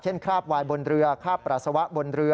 เช่นคราบวายบนเรือคราบประสาวะบนเรือ